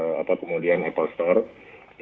ini hanya menunggu momen waktu untuk memastikan seluruh